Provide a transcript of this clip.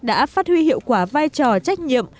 đã phát huy hiệu quả vai trò trách nhiệm